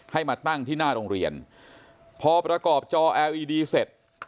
ให้มาตั้งที่หน้าโรงเรียนพอประกอบจอแอร์อีดีเสร็จ